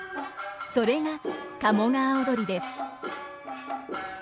それが「鴨川をどり」です。